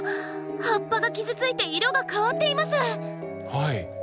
葉っぱが傷ついて色が変わっています。